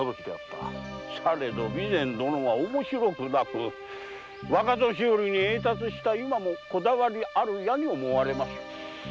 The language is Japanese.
されど備前殿は面白くなく若年寄に栄達した今もこだわりあるやに思われます。